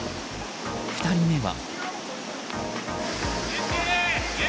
２人目は。